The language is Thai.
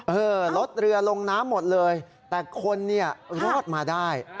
เออรถเรือลงน้ำหมดเลยแต่คนเนี่ยรอดมาได้